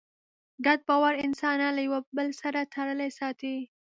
ګډ باور انسانان له یوه بل سره تړلي ساتي.